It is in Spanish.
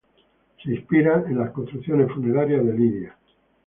Se inspira en las construcciones funerarias de Lidia.